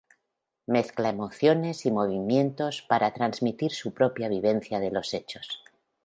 Mezcla emociones y movimientos para transmitir su propia vivencia de los hechos.